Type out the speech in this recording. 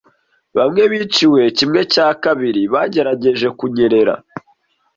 Bamwe biciwe kimwe cya kabiri bagerageje kunyerera,